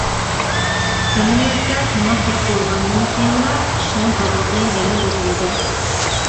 ئەمەلىيەتتە تاماق يەپ بولغاندىن كېيىنلا چىشنىڭ تازىلىقى يەنە بۇزۇلىدۇ.